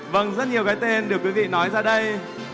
vâng rất nhiều cái tên được quý vị nói ra đây